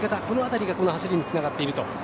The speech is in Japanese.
この辺りがこの走りにつながっていると。